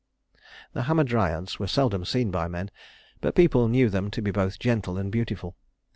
The Hamadryads were seldom seen by men, but people knew them to be both gentle and beautiful.